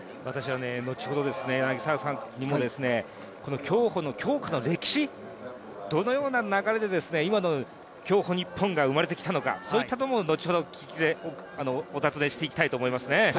ちょうど柳澤さんにも、競技の競歩の歴史、どのような流れで今の競歩日本ができてきたのか、そういったところも後ほどお尋ねしていきたいと思いますね。